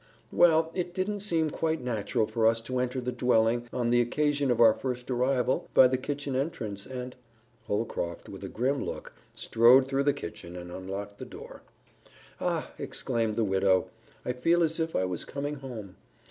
"Well, it didn't seem quite natural for us to enter the dwelling, on the occasion of our first arrival, by the kitchen entrance, and " Holcroft, with a grim look, strode through the kitchen and unlocked the door. "Ah!" exclaimed the widow. "I feel as if I was coming home.